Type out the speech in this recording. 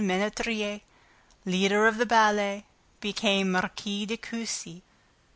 Menetrier, leader of the ballet, became Marquise de Cussy.